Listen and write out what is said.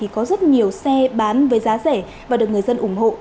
có rất nhiều xe bán với giá rẻ và được người dân ủng hộ